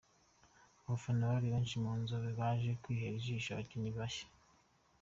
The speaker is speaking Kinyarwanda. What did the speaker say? Abafana bari benshi mu Nzove baje kwihera ijisho abakinnyi bashya.